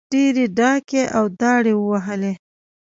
احمد ډېرې ډاکې او داړې ووهلې.